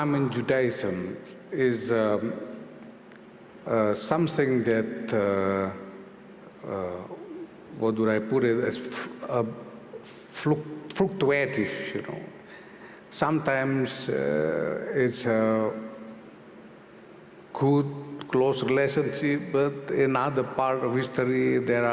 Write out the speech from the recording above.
retno juga menyampaikan bahwa dia akan menjelaskan keberpihakan indonesia terhadap palestina